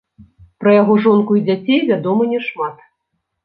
Пра яго жонку і дзяцей вядома няшмат.